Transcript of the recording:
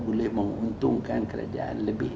boleh menguntungkan kerajaan lebih